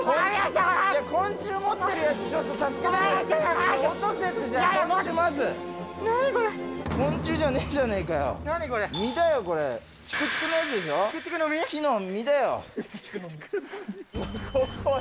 昆虫持ってるやつ、ちょっと助けたくない。